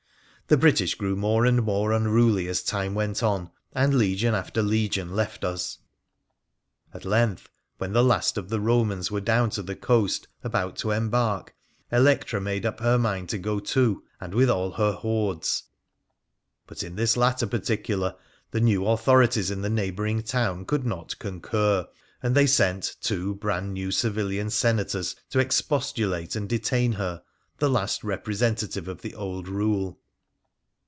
The British grew more and more unruly as time went on, and legion after legion left us. At length, when the last of the Bomans were down to the coast, about to embark, Electra made up her mind to go too — and with all her hoards. But in this latter particular the new authorities in the neighbouring town could not concur, and they sent two brand new civilian senators to expostulate and detain her, the last representative of the old rule.